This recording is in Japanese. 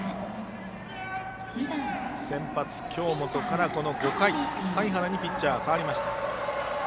先発京本から、この５回財原にピッチャー、代わりました。